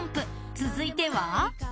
［続いては］